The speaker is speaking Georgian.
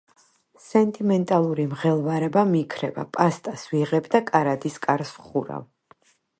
სენტიმენტალური მღელვარება მიქრება. პასტას ვიღებ და კარადის კარს ვხურავ.